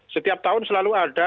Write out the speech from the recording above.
setiap tahun selalu ada